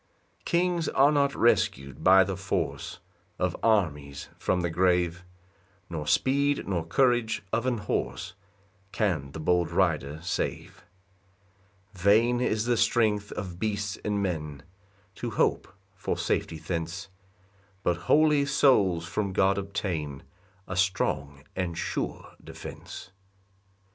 3 Kings are not rescu'd by the force Of armies from the grave; Nor speed nor courage of an horse Can the bold rider save, 4 Vain is the strength of beasts or men To hope for safety thence; But holy souls from God obtain A strong and sure defence.